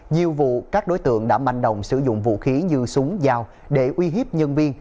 nhiều vụ các đối tượng đã manh đồng sử dụng vũ khí như súng dao để uy hiếp nhân viên